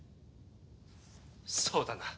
そうだな。